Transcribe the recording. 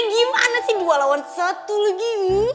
gimana sih dua lawan satu lagi